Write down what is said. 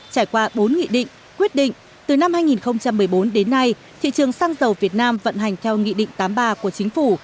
trải qua bốn nghị định quyết định từ năm hai nghìn một mươi bốn đến nay thị trường xăng dầu việt nam vận hành theo nghị định tám mươi ba của chính phủ